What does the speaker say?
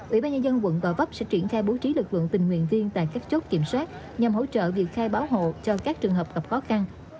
ủy ban nhân dân quận gò vấp sẽ triển khai bố trí lực lượng tình nguyện viên tại các chốt kiểm soát nhằm hỗ trợ việc khai báo hộ cho các trường hợp gặp khó khăn